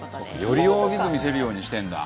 より大きく見せるようにしてるんだ。